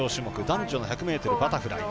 男女の１００ｍバタフライ。